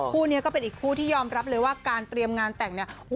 คู่นี้ก็เป็นอีกคู่ที่ยอมรับเลยว่าการเตรียมงานแต่งเนี่ย